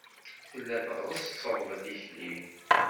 Tella tɣeṣṣeb tikli.